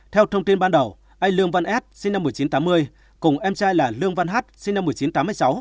theo thông tin ban đầu anh lương văn ết sinh năm một nghìn chín trăm tám mươi cùng em trai là lương văn hát sinh năm một nghìn chín trăm tám mươi sáu